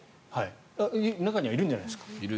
中にはいるんじゃないですか。